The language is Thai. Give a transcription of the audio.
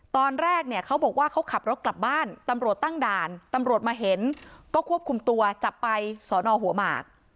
ตรวจมาเห็นก็ควบคุมตัวจับไปสอนอว์หัวหมาก